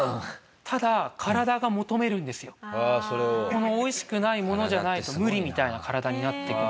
この美味しくないものじゃないと無理みたいな体になっていく。